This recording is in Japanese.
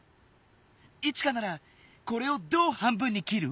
イチカならこれをどう半分にきる？